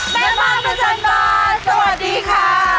แม่บ้านประจันบานสวัสดีค่ะ